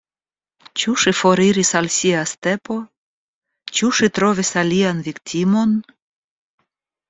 Ĉu ŝi foriris al sia stepo, ĉu ŝi trovis alian viktimon?